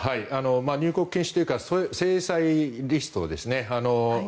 入国禁止というか制裁リストですね。